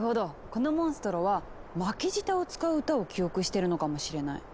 このモンストロは巻き舌を使う歌を記憶してるのかもしれない。